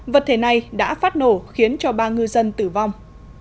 vật thể này đã phát nổ khiến cho ba ngư dân tử vong